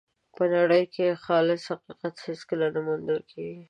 په نړۍ کې خالص حقیقت هېڅکله نه موندل کېږي.